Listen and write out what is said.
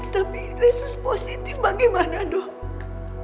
tapi aresus positif bagaimana dong